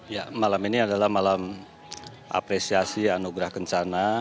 ya malam ini adalah malam apresiasi anugerah kencana